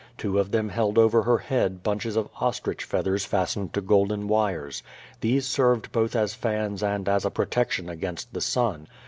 Two of them held over her head bunches of ostrich feathers fastened to golden wires. These served both as fans and as a protection against the sun.